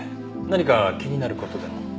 何か気になる事でも？